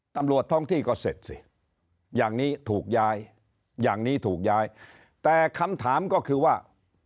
ตำรวจท้องที่ก็เสร็จสิอย่างนี้ถูกย้ายอย่างนี้ถูกย้ายแต่คำถามก็คือว่า